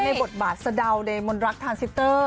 บทบาทสะดาวเดมนรักทานซิเตอร์